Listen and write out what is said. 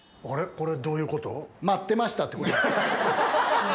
これどういうこと？